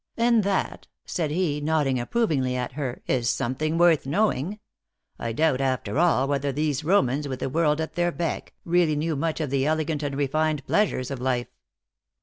"And that," said he, nodding approvingly at her, "is someihing worth knowing. I doubt, after all, whether these Romans, with the world at their beck, really knew much of the elegant and refined pleasures of life.